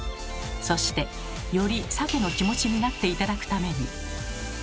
そしてよりサケの気持ちになって頂くために。